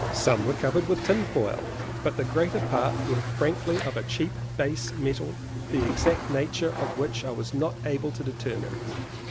Some were covered with tin foil, but the greater part were frankly of a cheap base metal the exact nature of which I was not able to determine.